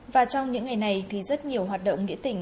và trong những ngày này thì rất nhiều hoạt động nghĩa tỉnh